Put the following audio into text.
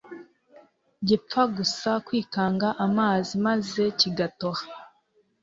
gipfa gusa kwikanga amazi, maze kigatoha